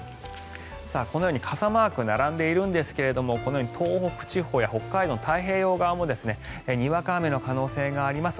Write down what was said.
このように傘マーク並んでいるんですけれどもこのように東北地方や北海道の太平洋側もにわか雨の可能性があります。